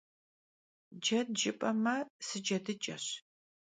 Ced jjıp'eme, sıcedıç'eş.